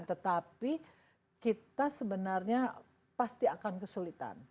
tetapi kita sebenarnya pasti akan kesulitan